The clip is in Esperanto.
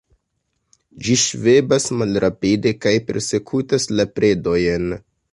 Ĝi ŝvebas malrapide kaj persekutas la predojn.